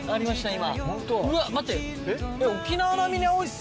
今。